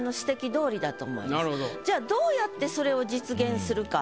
じゃあどうやってそれを実現するか？